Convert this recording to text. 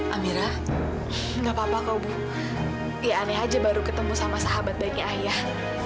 amira enggak papa kau buh ya aneh aja baru ketemu sama sahabat baiknya ayah